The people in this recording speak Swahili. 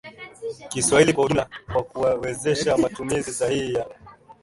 Kiswahili kwa ujumla kwa kuwawezesha matumizi sahihi ya